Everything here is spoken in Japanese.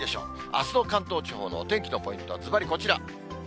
あすの関東地方のお天気のポイントはずばりこちら。